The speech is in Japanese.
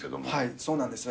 そうなんですよね。